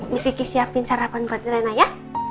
misiki siapin sarapan buat rina ya